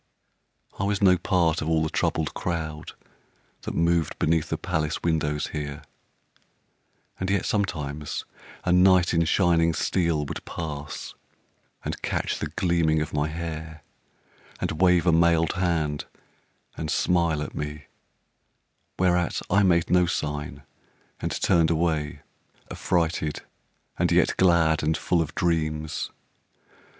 I was no part of all the troubled crowd That moved beneath the palace windows here, And yet sometimes a knight in shining steel Would pass and catch the gleaming of my hair, And wave a mailed hand and smile at me, Whereat I made no sign and turned away, Affrighted and yet glad and full of dreams.